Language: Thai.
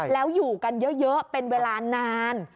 แล้วอยู่กันเยอะเป็นเวลานาน